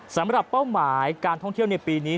เป้าหมายการท่องเที่ยวในปีนี้